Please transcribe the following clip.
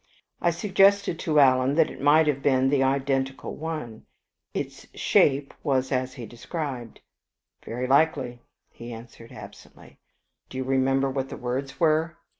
I suggested to Alan that it might have been the identical one its shape was as he described. "Very likely," he answered, absently. "Do you remember what the words were?"